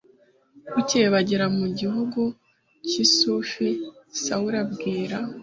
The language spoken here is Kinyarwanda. bukeye bagera mu gihugu cy i sufi sawuli abwira